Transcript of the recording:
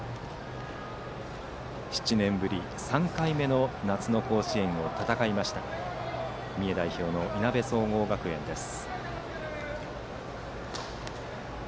７年ぶり３回目の夏の甲子園を戦いました三重代表のいなべ総合学園です。